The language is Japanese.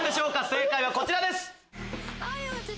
正解はこちらです。